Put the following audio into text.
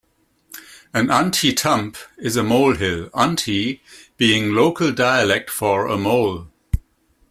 An "unty tump" is a molehill, "unty" being local dialect for a mole.